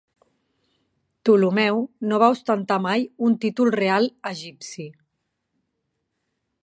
Ptolomeu no va ostentar mai un títol real egipci.